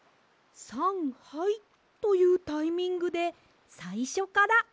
さんはいというタイミングでさいしょからですね。